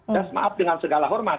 dan maaf dengan segala hormat